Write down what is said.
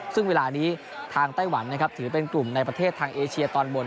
ซึ่งเวลานี้ทางไต้หวันนะครับถือเป็นกลุ่มในประเทศทางเอเชียตอนบน